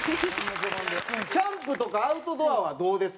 キャンプとかアウトドアはどうですか？